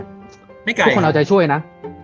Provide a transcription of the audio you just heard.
ไม่ไกลครับทุกคนเอาใจช่วยนะ